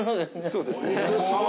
◆そうですね。